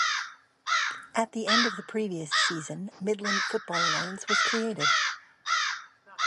At the end of the previous season Midland Football Alliance was created.